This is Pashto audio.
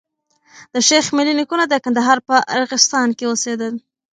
د شېخ ملي نيکونه د کندهار په ارغستان کي اوسېدل.